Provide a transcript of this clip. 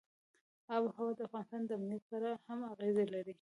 آب وهوا د افغانستان د امنیت په اړه هم اغېز لري.